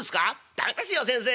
駄目ですよ先生